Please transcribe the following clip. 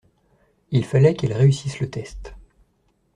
Il fallait qu’elle réussisse le test.